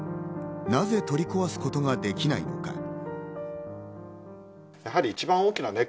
なぜ取り壊すことができないのか。